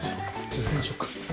続けましょっか。